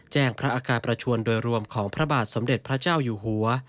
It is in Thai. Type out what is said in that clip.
พระอาการประชวนโดยรวมของพระบาทสมเด็จพระเจ้าอยู่หัว